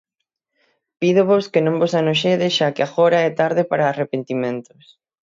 Pídovos que non vos anoxedes xa que agora é tarde para arrepentimentos.